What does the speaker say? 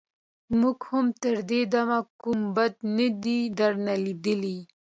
موږ هم تر دې دمه کوم بد نه دي درنه ليدلي.